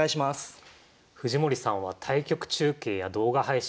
藤森さんは対局中継や動画配信で大人気です。